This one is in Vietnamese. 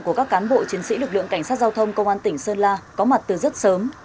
của các cán bộ chiến sĩ lực lượng cảnh sát giao thông công an tỉnh sơn la có mặt từ rất sớm